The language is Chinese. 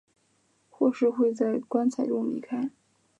或是会在棺材中离开。